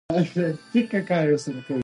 مراقبه کوي , د سټرېس کار او منفي خلک پاتې کړي